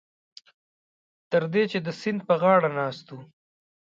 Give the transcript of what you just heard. تر دې چې د سیند په غاړه ناست وو.